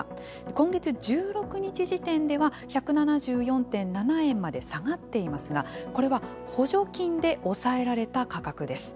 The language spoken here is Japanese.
今月１６日時点では１７４．７円まで下がっていますがこれは補助金で抑えられた価格です。